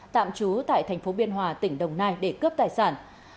tạm trú tại thành phố biên hòa tỉnh đồng nai để cướp tài sản